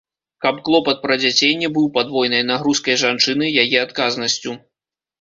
Каб клопат пра дзяцей не быў падвойнай нагрузкай жанчыны, яе адказнасцю.